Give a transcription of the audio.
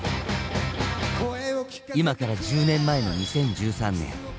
今から１０年前の２０１３年